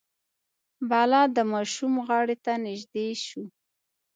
بلا د ماشوم غاړې ته نژدې شو.